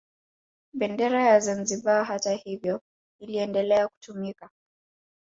Bendera ya Zanzibar hata hivyo iliendelea kutumika